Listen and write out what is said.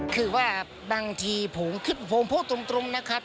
คือว่าบางทีผมพูดตรงนะครับ